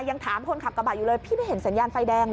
ยังถามคนขับกระบะอยู่เลยพี่ไม่เห็นสัญญาณไฟแดงเหรอ